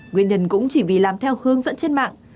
nguyên nhân cũng chỉ vì làm theo hướng dẫn trên mạng